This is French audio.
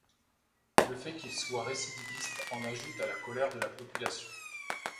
Le fait qu'ils soient récidivistes en rajoute à la colère de la population.